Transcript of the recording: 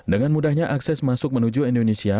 dengan mudahnya akses masuk menuju indonesia